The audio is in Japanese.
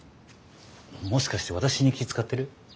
もしかして私に気遣ってる？